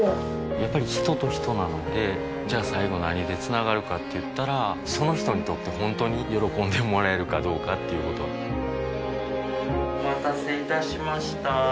やっぱり人と人なのでじゃあ最後何でつながるかって言ったらその人にとって本当に喜んでもらえるかどうかっていうことお待たせいたしました。